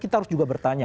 kita harus juga bertanya